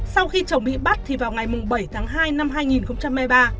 sau khi chồng bị bắt thì vào ngày bảy tháng hai năm hai nghìn hai mươi ba